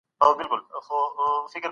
سل يو لوی عدد دئ.